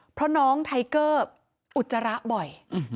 เพราะน้องไทเกอร์อุจจาระบ่อย